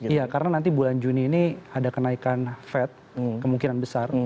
iya karena nanti bulan juni ini ada kenaikan fed kemungkinan besar